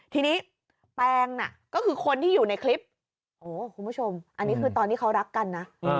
ทีนี้แปงน่ะก็คือคนที่อยู่ในคลิปโอ้คุณผู้ชมอันนี้คือตอนที่เขารักกันนะ